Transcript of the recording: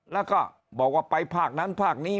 แล้วก็บอกว่าไปภาคนั้นภาคนี้